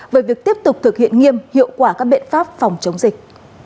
về việc tiếp tục thực hiện nghiêm hiệu quả các biện pháp phòng chống dịch